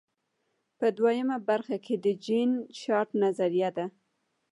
په دویمه برخه کې د جین شارپ نظریه ده.